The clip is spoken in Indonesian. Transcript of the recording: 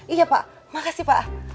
iya pak makasih pak